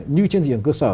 như trên diện cơ sở